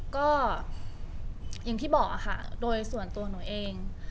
ก็อย่างที่บอกค่ะโดยส่วนตัวหนูเอง